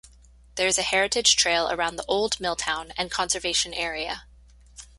There is a heritage trail around the old mill town and conservation area.